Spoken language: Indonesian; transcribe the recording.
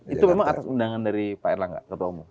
itu memang atas undangan dari pak erlangga